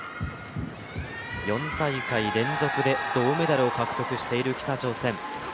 ４大会連続で銅メダルを獲得している北朝鮮。